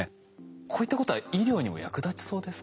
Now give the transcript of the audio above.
こういったことは医療にも役立ちそうですか？